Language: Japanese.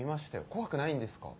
怖くないんですか？